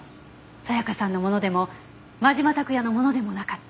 沙也加さんのものでも真島拓也のものでもなかった。